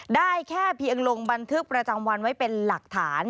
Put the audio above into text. ได้แค่เพียงลงบันทึกประจำวันไว้เป็นหลักฐาน